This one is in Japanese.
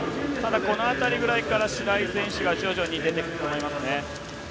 この辺りぐらいから白井選手が徐々に出てくると思いますね。